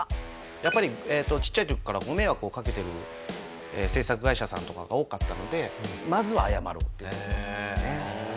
やっぱりちっちゃい時からご迷惑を掛けてる制作会社さんとかが多かったのでまずは謝ろうっていうところからですね。